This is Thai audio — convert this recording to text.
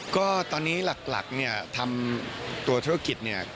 ก็ตอนนี้หลักเนี่ยทำตัวธุรกิจเนี่ย